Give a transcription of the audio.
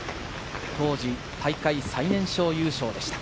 当時、大会最年少優勝でした。